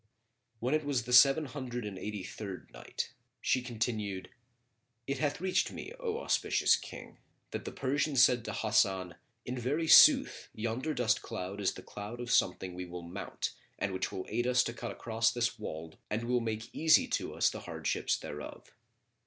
When it was the Seven Hundred and Eighty third Night, She continued, It hath reached me, O auspicious King, that the Persian said to Hasan, "In very sooth yonder dust cloud is the cloud of something we will mount and which will aid us to cut across this wold and will make easy to us the hardships thereof."